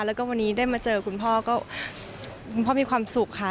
แล้วก็วันนี้ได้มาเจอคุณพ่อก็คุณพ่อมีความสุขค่ะ